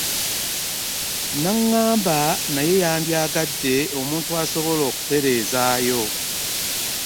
N’angamba naye nandyagadde omuntu asobola okutereezaayo.